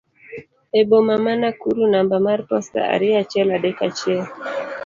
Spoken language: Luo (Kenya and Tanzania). e boma ma Nakuru namba mar posta ariyo auchiel adek achiel